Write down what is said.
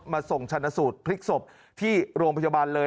ส่งชนะสูตรพลิกศพที่โรงพยาบาลเลย